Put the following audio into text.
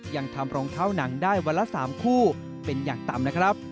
ยังทำรองเท้าหนังได้วันละ๓คู่เป็นอย่างต่ำนะครับ